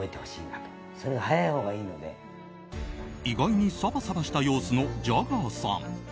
意外にサバサバした様子のジャガーさん。